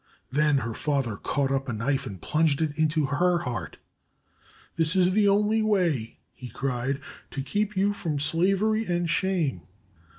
Then her father caught up a knife and plunged it into her heart. "This is the only way," he cried, "to keep you from slavery and shame."